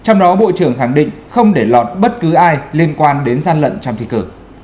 trong đó bộ trưởng khẳng định không để lọt bất cứ ai liên quan đến gian lận trong thi cử